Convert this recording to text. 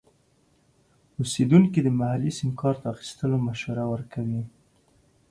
اوسیدونکي د محلي سیم کارت اخیستلو مشوره ورکوي.